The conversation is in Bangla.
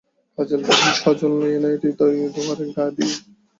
কাজলবিহীন সজলনয়নে হৃদয়দুয়ারে ঘা দিয়ো।